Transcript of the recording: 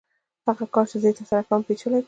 هغه کار چې زه یې ترسره کوم پېچلی کار دی